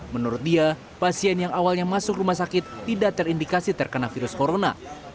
menurut dia pasien yang awalnya masuk rumah sakit tidak terindikasi terkena virus corona